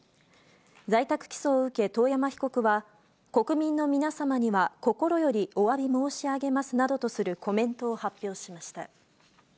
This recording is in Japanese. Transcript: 在宅起訴を受け、遠山被告は、国民の皆様には心よりおわび申し上げますなどとするコメントを発表しました。